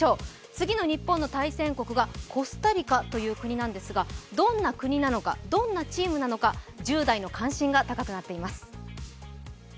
次の日本の対戦国がコスタリカという国なんですが、どんな国なのか、どんなチームなのか、１０代の関心が高くなっています。